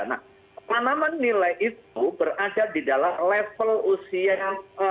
nah tanaman nilai itu berada di dalam level usia yang